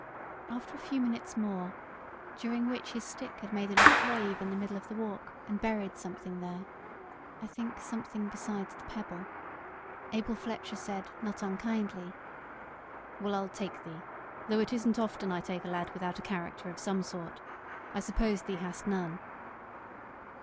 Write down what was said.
After a few minutes more, during which his stick had made a little grave in the middle of the walk, and buried something there I think something besides the pebble Abel Fletcher said, not unkindly: "Well, I'll take thee; though it isn't often I take a lad without a character of some sort I suppose thee hast none."